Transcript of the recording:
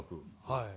はい。